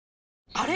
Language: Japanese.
あれ？